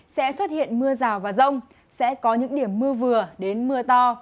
sẽ xuất hiện mưa rào và rông sẽ có những điểm mưa vừa đến mưa to